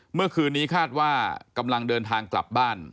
เมื่อคืนนี้คาดว่ากำลังเดินทางกลับบ้าน